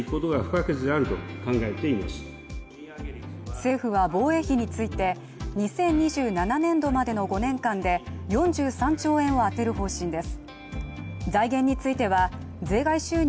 政府は防衛費について、２０２７年度までの５年間で４３兆円を充てる方針です。